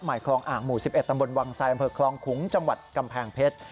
หมายคลองอ่างหมู่๑๑ตำบลวังสายบคลองขุงจกำแพงเพชร